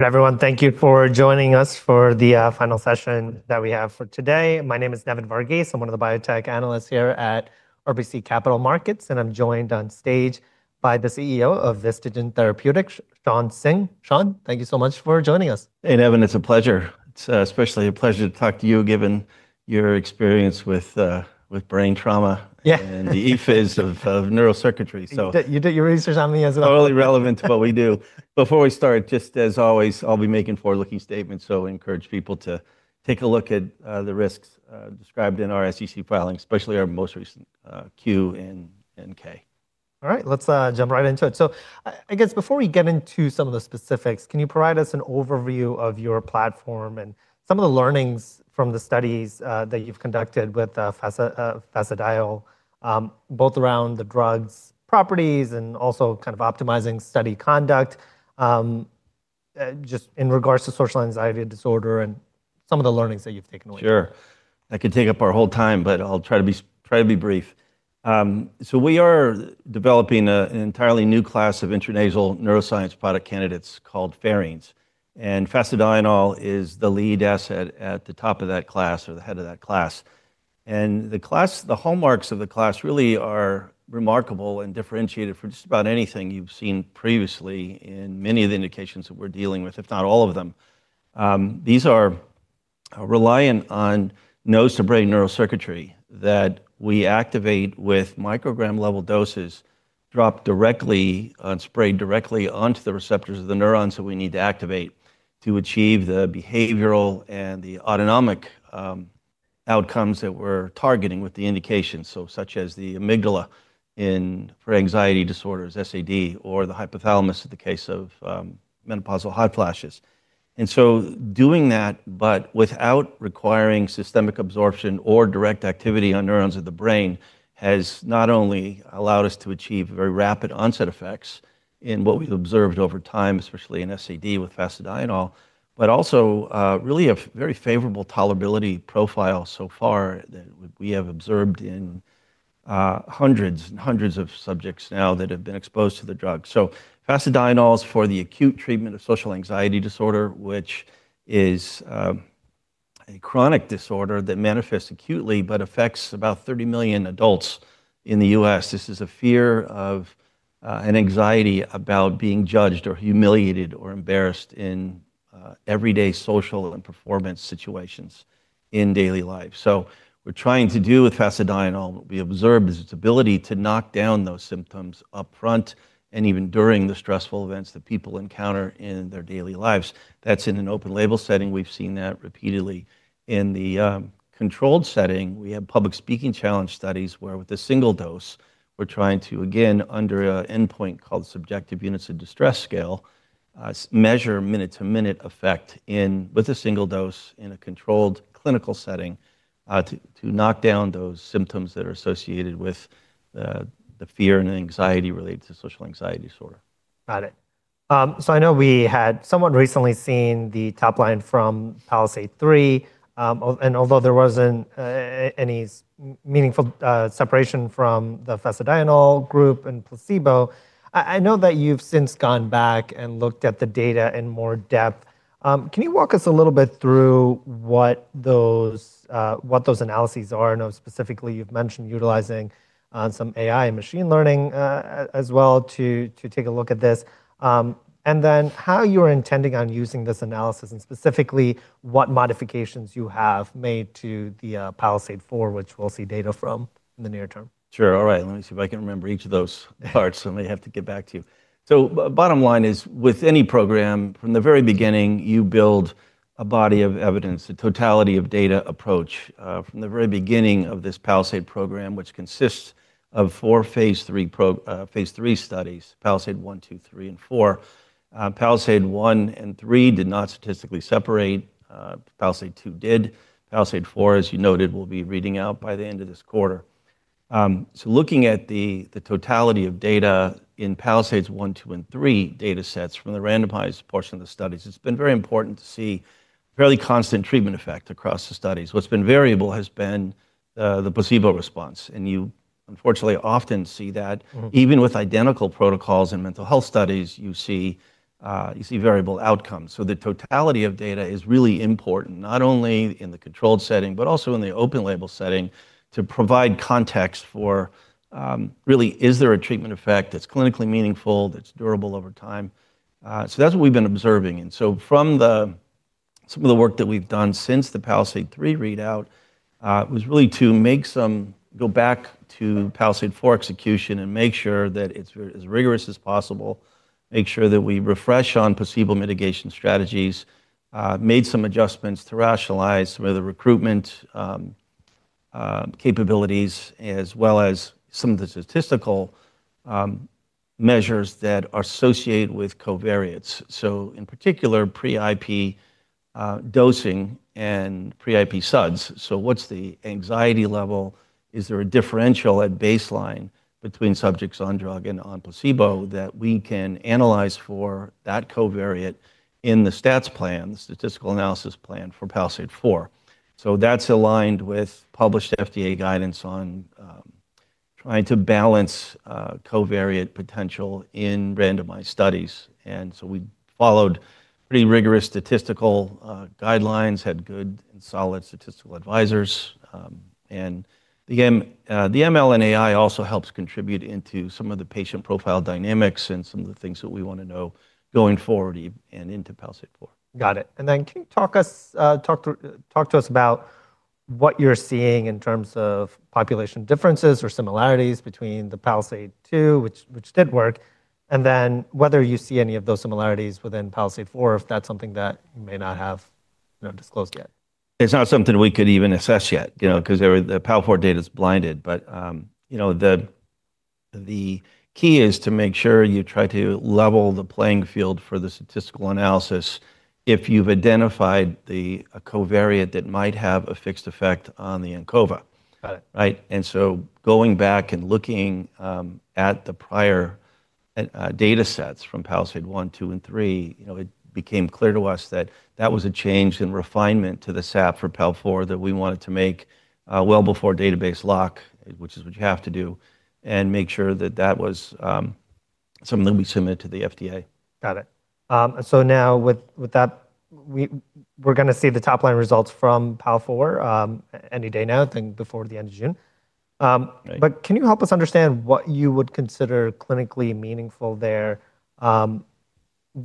Everyone, thank you for joining us for the final session that we have for today. My name is Nevin Varghese. I'm one of the biotech analysts here at RBC Capital Markets, and I'm joined on stage by the CEO of VistaGen Therapeutics, Shawn Singh. Shawn, thank you so much for joining us. Hey, Nevin, it's a pleasure. It's especially a pleasure to talk to you, given your experience with brain trauma. Yeah. The effect of neural circuitry. You did your research on me as well. Totally relevant to what we do. Before we start, just as always, I'll be making forward-looking statements. Encourage people to take a look at the risks described in our SEC filing, especially our most recent Q and K. All right. Let's jump right into it. I guess before we get into some of the specifics, can you provide us an overview of your platform and some of the learnings from the studies that you've conducted with fasedienol, both around the drug's properties and also optimizing study conduct, just in regards to social anxiety disorder and some of the learnings that you've taken away? Sure. I could take up our whole time, but I'll try to be brief. We are developing an entirely new class of intranasal neuroscience product candidates called pherines. fasedienol is the lead asset at the top of that class, or the head of that class. The hallmarks of the class really are remarkable and differentiated from just about anything you've seen previously in many of the indications that we're dealing with, if not all of them. These are reliant on nose to brain neurocircuitry that we activate with microgram level doses dropped directly, and sprayed directly onto the receptors of the neurons that we need to activate to achieve the behavioral and the autonomic outcomes that we're targeting with the indications. Such as the amygdala in for anxiety disorders, SAD, or the hypothalamus in the case of menopausal hot flashes. Doing that, but without requiring systemic absorption or direct activity on neurons of the brain, has not only allowed us to achieve very rapid onset effects in what we've observed over time, especially in SAD with fasedienol, but also, really a very favorable tolerability profile so far that we have observed in hundreds and hundreds of subjects now that have been exposed to the drug. fasedienol is for the acute treatment of social anxiety disorder, which is a chronic disorder that manifests acutely but affects about 30 million adults in the U.S. This is a fear of, and anxiety about being judged or humiliated or embarrassed in everyday social and performance situations in daily life. We're trying to do with fasedienol, what we observed is its ability to knock down those symptoms upfront and even during the stressful events that people encounter in their daily lives. That's in an open label setting. We've seen that repeatedly. In the controlled setting, we have public speaking challenge studies where with a single dose, we're trying to, again, under an endpoint called Subjective Units of Distress Scale, measure minute to minute effect with a single dose in a controlled clinical setting, to knock down those symptoms that are associated with the fear and anxiety related to Social Anxiety Disorder. Got it. I know we had somewhat recently seen the top line from PALISADE-3. Although there wasn't any meaningful separation from the fasedienol group and placebo, I know that you've since gone back and looked at the data in more depth. Can you walk us a little bit through what those analyses are? I know specifically you've mentioned utilizing some AI and machine learning, as well to take a look at this. Then how you are intending on using this analysis and specifically what modifications you have made to the PALISADE-4, which we'll see data from in the near term. Sure. All right. Let me see if I can remember each of those parts. I may have to get back to you. Bottom line is with any program from the very beginning, you build a body of evidence, a totality of data approach. From the very beginning of this PALISADE program, which consists of four phase III studies, PALISADE-1, PALISADE-2, PALISADE-3, and PALISADE-4. PALISADE-1 and PALISADE-3 did not statistically separate. PALISADE-2 did. PALISADE-4, as you noted, will be reading out by the end of this quarter. Looking at the totality of data in PALISADE-1, PALISADE-2, and PALISADE-3 data sets from the randomized portion of the studies, it's been very important to see fairly constant treatment effect across the studies. What's been variable has been the placebo response, and you unfortunately often see that even with identical protocols in mental health studies, you see variable outcomes. The totality of data is really important, not only in the controlled setting, but also in the open label setting to provide context for really is there a treatment effect that's clinically meaningful, that's durable over time? That's what we've been observing. From some of the work that we've done since the PALISADE-3 readout, was really to go back to PALISADE-4 execution and make sure that it's as rigorous as possible, make sure that we refresh on placebo mitigation strategies, made some adjustments to rationalize some of the recruitment capabilities, as well as some of the statistical measures that are associated with covariates. In particular, pre-IP dosing and pre-IP SUDS. What's the anxiety level? Is there a differential at baseline between subjects on drug and on placebo that we can analyze for that covariate in the stats plan, the statistical analysis plan for PALISADE-4? That's aligned with published FDA guidance on trying to balance covariate potential in randomized studies. We followed pretty rigorous statistical guidelines, had good and solid statistical advisors. The ML and AI also helps contribute into some of the patient profile dynamics and some of the things that we want to know going forward and into PALISADE-4. Got it. Can you talk to us about what you're seeing in terms of population differences or similarities between the PALISADE-2, which did work, and then whether you see any of those similarities within PALISADE-4, if that's something that you may not have disclosed yet? It's not something we could even assess yet because the PALISADE-4 data's blinded. The key is to make sure you try to level the playing field for the statistical analysis if you've identified the covariate that might have a fixed effect on the ANCOVA. Got it. Right. Going back and looking at the prior data sets from PALISADE-1, 2, and 3, it became clear to us that was a change in refinement to the SAP for PALISADE-4 that we wanted to make well before database lock, which is what you have to do, and make sure that that was something we submit to the FDA. Got it. Now with that, we're going to see the top-line results from PAL-4 any day now, I think before the end of June. Right. Can you help us understand what you would consider clinically meaningful there,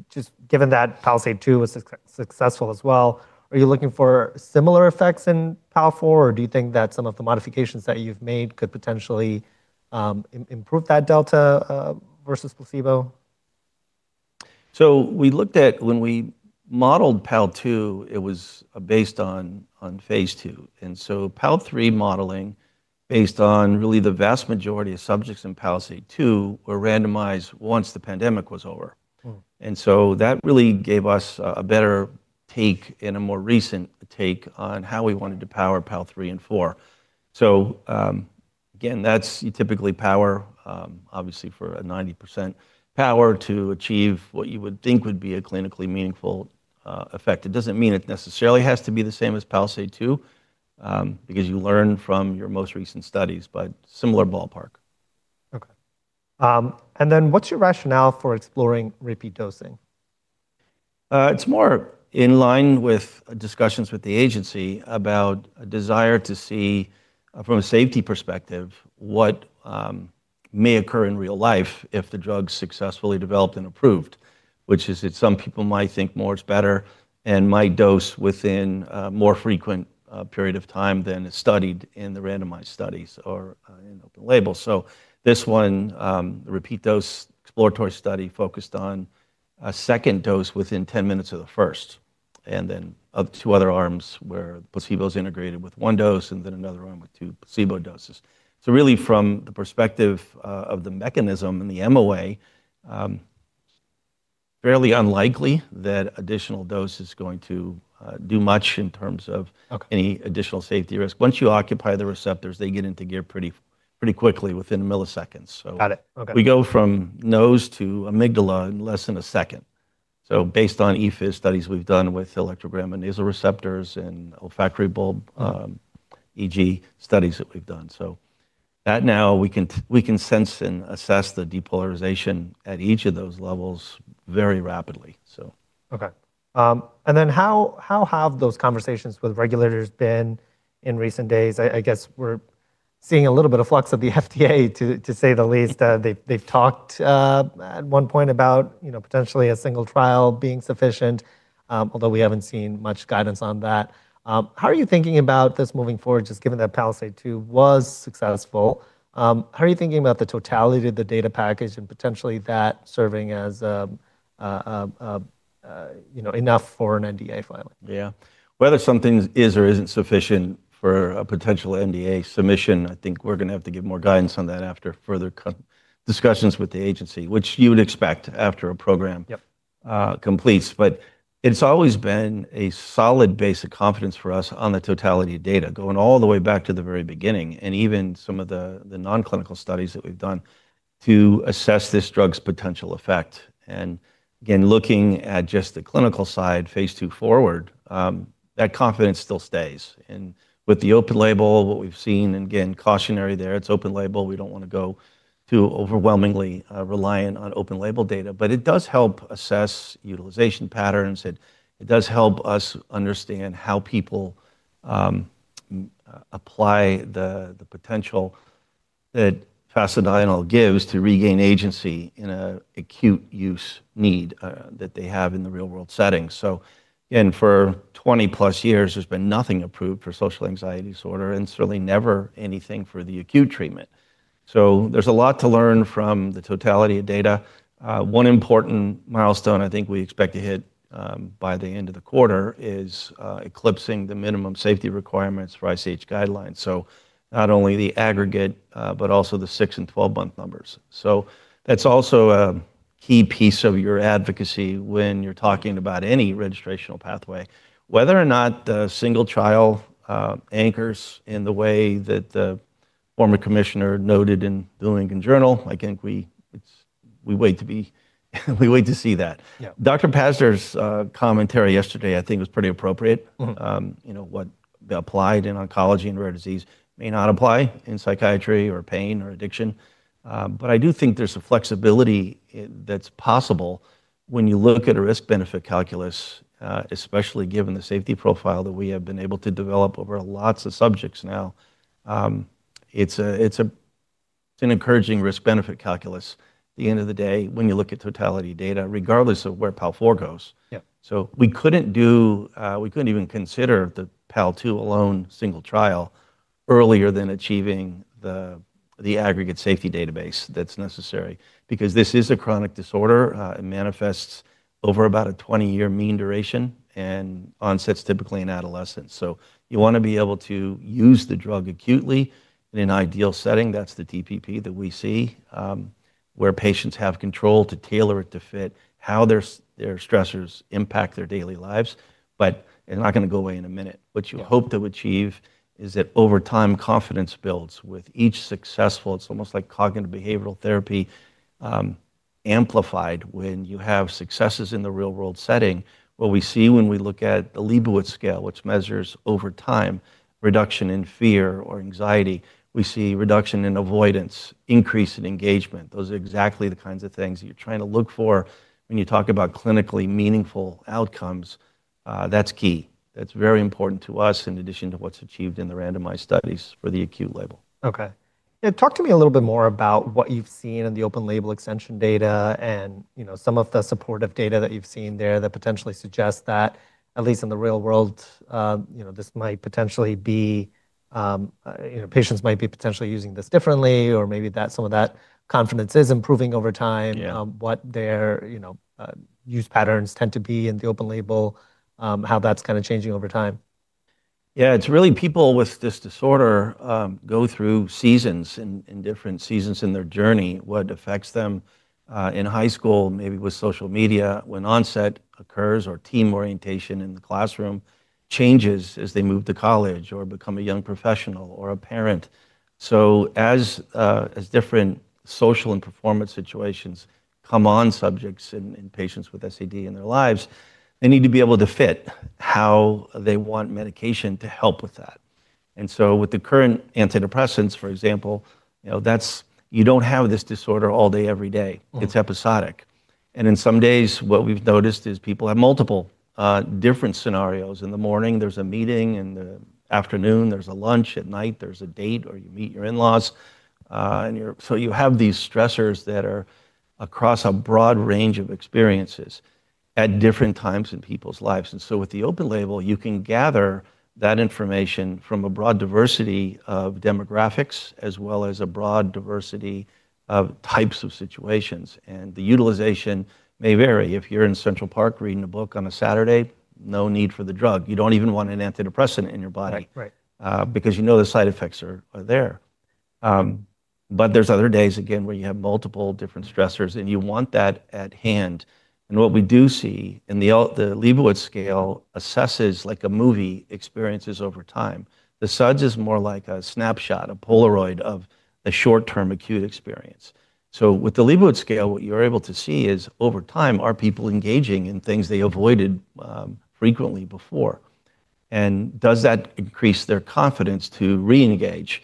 just given that PALISADE-2 was successful as well? Are you looking for similar effects in PALISADE-4, or do you think that some of the modifications that you've made could potentially improve that delta versus placebo? We looked at when we modeled PALISADE-2, it was based on phase II, and so PALISADE-3 modeling based on really the vast majority of subjects in PALISADE-2 were randomized once the pandemic was over. That really gave us a better take and a more recent take on how we wanted to power PALISADE-3 and 4. Again, that's you typically power, obviously for a 90% power to achieve what you would think would be a clinically meaningful effect. It doesn't mean it necessarily has to be the same as PALISADE-2, because you learn from your most recent studies, but similar ballpark. Okay. Then what's your rationale for exploring repeat dosing? It's more in line with discussions with the agency about a desire to see, from a safety perspective, what may occur in real life if the drug's successfully developed and approved, which is that some people might think more is better and might dose within a more frequent period of time than is studied in the randomized studies or in open label. This one, the repeat dose exploratory study, focused on a second dose within 10 minutes of the first, and then of two other arms where the placebo's integrated with one dose, and then another arm with two placebo doses. Really from the perspective of the mechanism and the MOA, fairly unlikely that additional dose is going to do much in terms of- Okay any additional safety risk. Once you occupy the receptors, they get into gear pretty quickly within milliseconds. Got it. Okay. We go from nose to amygdala in less than a second. Based on EP studies we've done with electrogram and nasal receptors and olfactory bulb EEG studies that we've done. That now we can sense and assess the depolarization at each of those levels very rapidly. Okay. How have those conversations with regulators been in recent days? I guess we're seeing a little bit of flux of the FDA to say the least. They've talked at one point about potentially a single trial being sufficient, although we haven't seen much guidance on that. How are you thinking about this moving forward, just given that PALISADE-2 was successful? How are you thinking about the totality of the data package and potentially that serving as enough for an NDA filing? Whether something is or isn't sufficient for a potential NDA submission, I think we're going to have to give more guidance on that after further discussions with the agency which you'd expect after program- Yep completes. It's always been a solid base of confidence for us on the totality of data, going all the way back to the very beginning and even some of the non-clinical studies that we've done to assess this drug's potential effect. Again, looking at just the clinical side, phase II forward, that confidence still stays. With the open label, what we've seen, and again, cautionary there, it's open label, we don't want to go too overwhelmingly reliant on open label data, but it does help assess utilization patterns. It does help us understand how people apply the potential that fasedienol gives to regain agency in an acute use need that they have in the real-world setting. Again, for 20+ years, there's been nothing approved for social anxiety disorder and certainly never anything for the acute treatment. There's a lot to learn from the totality of data. One important milestone I think we expect to hit by the end of the quarter is eclipsing the minimum safety requirements for ICH guidelines. Not only the aggregate, but also the six and 12-month numbers. That's also a key piece of your advocacy when you're talking about any registrational pathway. Whether or not the single trial anchors in the way that the former commissioner noted in The Wall Street Journal, I think we wait to see that. Yeah. Richard Pazdur's commentary yesterday, I think, was pretty appropriate. What applied in oncology and rare disease may not apply in psychiatry or pain or addiction. I do think there's a flexibility that's possible when you look at a risk-benefit calculus, especially given the safety profile that we have been able to develop over lots of subjects now. It's an encouraging risk-benefit calculus at the end of the day when you look at totality data, regardless of where PALISADE-4 goes. Yeah. We couldn't even consider the PALISADE-2 alone single trial earlier than achieving the aggregate safety database that's necessary, because this is a chronic disorder. It manifests over about a 20-year mean duration and onset's typically in adolescence. You want to be able to use the drug acutely in an ideal setting. That's the TPP that we see, where patients have control to tailor it to fit how their stressors impact their daily lives. They're not going to go away in a minute. What you hope to achieve is that over time, confidence builds with each successful. It's almost like cognitive behavioral therapy amplified when you have successes in the real-world setting. What we see when we look at the Liebowitz Social Anxiety Scale, which measures over time reduction in fear or anxiety, we see reduction in avoidance, increase in engagement. Those are exactly the kinds of things that you're trying to look for when you talk about clinically meaningful outcomes. That's key. That's very important to us in addition to what's achieved in the randomized studies for the acute label. Okay. Yeah, talk to me a little bit more about what you've seen in the open label extension data and some of the supportive data that you've seen there that potentially suggests that at least in the real world, patients might be potentially using this differently, or maybe that some of that confidence is improving over time. Yeah what their use patterns tend to be in the open label, how that's changing over time. Yeah. It's really people with this disorder go through seasons and different seasons in their journey. What affects them in high school, maybe with social media, when onset occurs or team orientation in the classroom changes as they move to college or become a young professional or a parent. As different social and performance situations come on subjects in patients with SAD in their lives, they need to be able to fit how they want medication to help with that. With the current antidepressants, for example, you don't have this disorder all day, every day. It's episodic. In some days, what we've noticed is people have multiple different scenarios. In the morning, there's a meeting. In the afternoon, there's a lunch. At night, there's a date, or you meet your in-laws. You have these stressors that are across a broad range of experiences at different times in people's lives. With the open label, you can gather that information from a broad diversity of demographics as well as a broad diversity of types of situations, and the utilization may vary. If you're in Central Park reading a book on a Saturday, no need for the drug. You don't even want an antidepressant in your body. Right You know the side effects are there. There's other days, again, where you have multiple different stressors, and you want that at hand. What we do see in the Liebowitz scale assesses like a movie experiences over time. The SUDS is more like a snapshot, a Polaroid of a short-term acute experience. With the Liebowitz scale, what you're able to see is over time, are people engaging in things they avoided frequently before, and does that increase their confidence to reengage?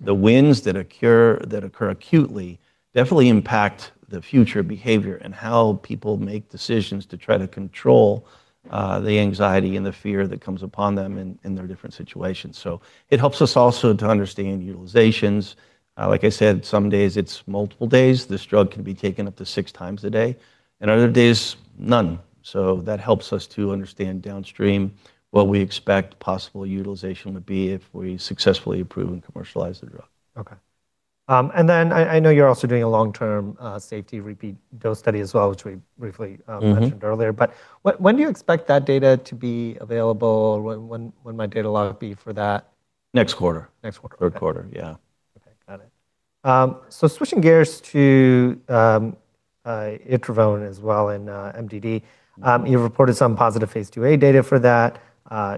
The wins that occur acutely definitely impact the future behavior and how people make decisions to try to control the anxiety and the fear that comes upon them in their different situations. It helps us also to understand utilizations. Like I said, some days it's multiple days. This drug can be taken up to six times a day, and other days, none. That helps us to understand downstream what we expect possible utilization would be if we successfully approve and commercialize the drug. Okay. I know you're also doing a long-term safety repeat dose study as well. Mentioned earlier. When do you expect that data to be available? When might data lock be for that? Next quarter. Next quarter. Third quarter, yeah. Okay. Got it. Switching gears to itruvone as well in MDD. You've reported some positive Phase IIa data for that.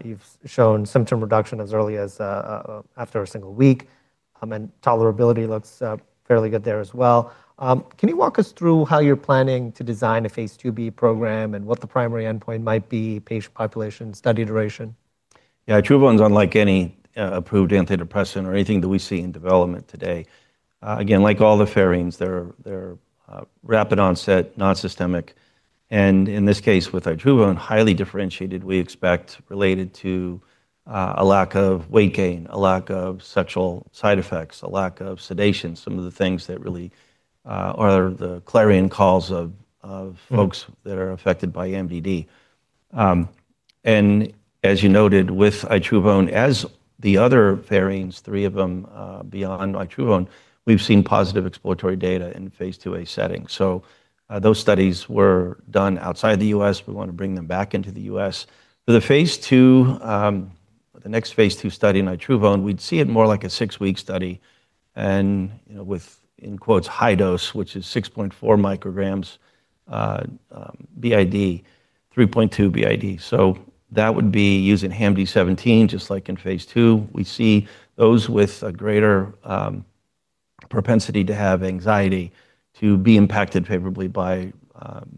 You've shown symptom reduction as early as after a single week, and tolerability looks fairly good there as well. Can you walk us through how you're planning to design a Phase IIb program and what the primary endpoint might be, patient population, study duration? Yeah. itruvone's unlike any approved antidepressant or anything that we see in development today. Like all the pherines, they're rapid onset, non-systemic, and in this case, with itruvone, highly differentiated, we expect, related to a lack of weight gain, a lack of sexual side effects, a lack of sedation, some of the things that really are the clarion calls of folks that are affected by MDD. As you noted with itruvone, as the other pherines, three of them beyond itruvone, we've seen positive exploratory data in phase II-A setting. Those studies were done outside the U.S. We want to bring them back into the U.S. For the next phase II study in itruvone, we'd see it more like a six-week study and with "high dose," which is 6.4 µg BID.3.2 BID. That would be using HAM-D17, just like in phase II. We see those with a greater propensity to have anxiety to be impacted favorably by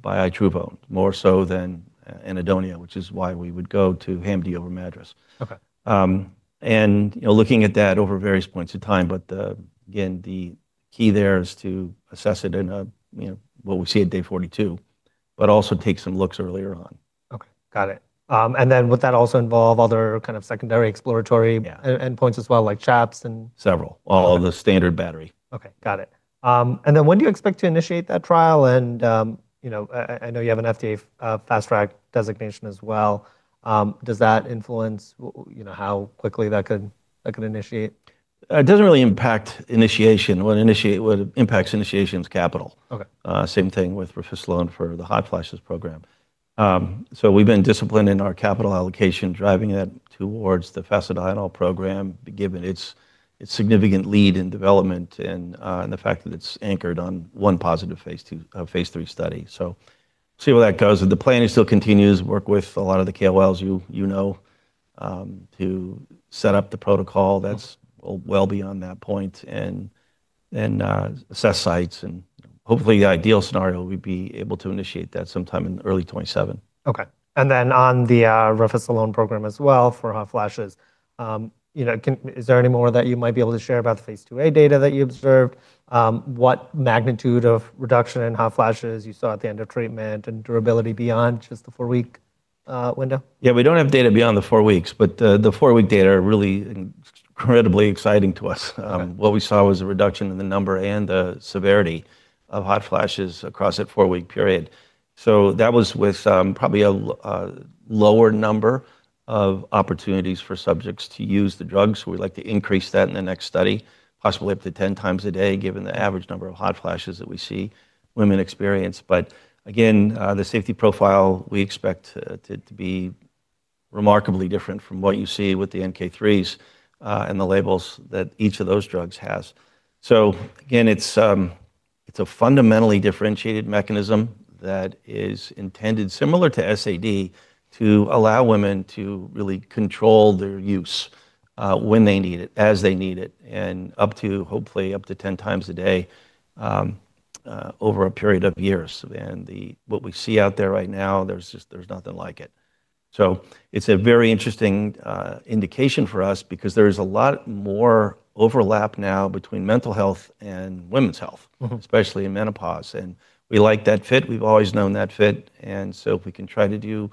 itruvone, more so than anhedonia, which is why we would go to HAM-D over MADRS. Okay. Looking at that over various points of time, but again, the key there is to assess it in what we see at day 42, but also take some looks earlier on. Okay, got it. Would that also involve other kind of secondary exploratory? Yeah endpoints as well, like SHAPS. Several. All the standard battery. Okay, got it. When do you expect to initiate that trial? I know you have an FDA fast track designation as well. Does that influence how quickly that could initiate? It doesn't really impact initiation. What impacts initiation is capital. Okay. Same thing with refisolone for the hot flashes program. We've been disciplined in our capital allocation, driving it towards the fasedienol program, given its significant lead in development and the fact that it's anchored on one positive phase III study. See where that goes. The plan is still continues, work with a lot of the KOLs you know to set up the protocol that's well beyond that point and assess sites and hopefully the ideal scenario, we'd be able to initiate that sometime in early 2027. On the refisolone program as well for hot flashes, is there any more that you might be able to share about the phase II-A data that you observed? What magnitude of reduction in hot flashes you saw at the end of treatment and durability beyond just the four-week window? Yeah, we don't have data beyond the four weeks, but the four-week data are really incredibly exciting to us. Okay. What we saw was a reduction in the number and the severity of hot flashes across that four-week period. That was with probably a lower number of opportunities for subjects to use the drug, we'd like to increase that in the next study, possibly up to 10x a day, given the average number of hot flashes that we see women experience. Again, the safety profile we expect to be remarkably different from what you see with the NK3s and the labels that each of those drugs has. Again, it's a fundamentally differentiated mechanism that is intended, similar to SAD, to allow women to really control their use when they need it, as they need it, and up to hopefully up to 10x a day over a period of years. What we see out there right now, there's nothing like it. It's a very interesting indication for us because there is a lot more overlap now between mental health and women's health. Especially in menopause. We like that fit. We've always known that fit, and so if we can try to do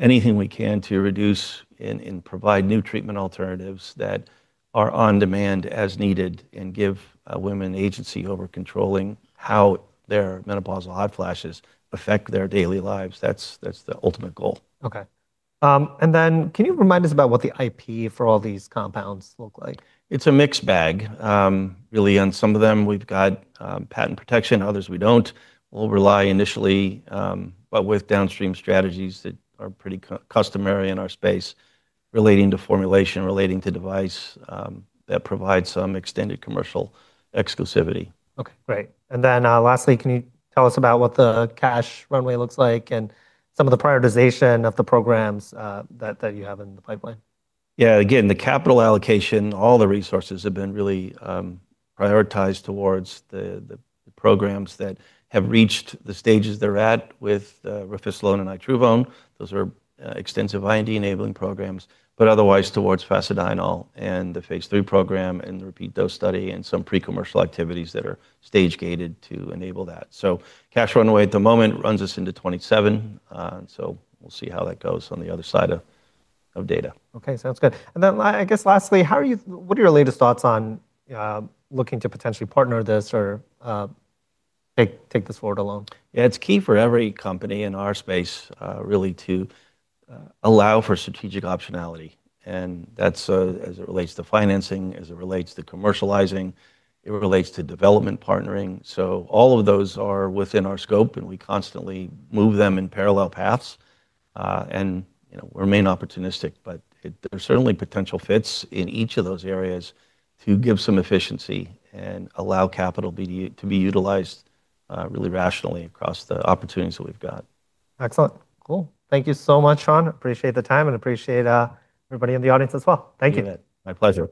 anything we can to reduce and provide new treatment alternatives that are on demand as needed and give women agency over controlling how their menopausal hot flashes affect their daily lives, that's the ultimate goal. Okay. Then can you remind us about what the IP for all these compounds look like? It's a mixed bag, really. On some of them, we've got patent protection, others we don't. We'll rely initially with downstream strategies that are pretty customary in our space relating to formulation, relating to device, that provide some extended commercial exclusivity. Okay, great. Lastly, can you tell us about what the cash runway looks like and some of the prioritization of the programs that you have in the pipeline? The capital allocation, all the resources have been really prioritized towards the programs that have reached the stages they're at with refisolone and itruvone. Those are extensive IND-enabling programs, otherwise towards fasedienol and the phase III program and the repeat dose study and some pre-commercial activities that are stage-gated to enable that. Cash runway at the moment runs us into 2027, we'll see how that goes on the other side of data. Okay, sounds good. I guess lastly, what are your latest thoughts on looking to potentially partner this or take this forward alone? Yeah. It's key for every company in our space really to allow for strategic optionality, and that's as it relates to financing, as it relates to commercializing, it relates to development partnering. All of those are within our scope, and we constantly move them in parallel paths, and remain opportunistic. There are certainly potential fits in each of those areas to give some efficiency and allow capital to be utilized really rationally across the opportunities that we've got. Excellent. Cool. Thank you so much, Shawn. Appreciate the time and appreciate everybody in the audience as well. Thank you. You bet. My pleasure.